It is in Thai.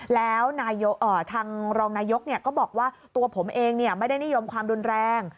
แล้วทางรองนายกก็บอกว่าตัวผมเองไม่ได้นิยมความรุนแรง